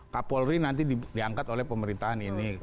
kapolri nanti diangkat oleh pemerintahan ini